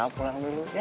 pulang dulu ya